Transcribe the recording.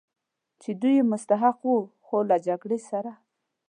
چې دوی یې مستحق و، خو له جګړې سره.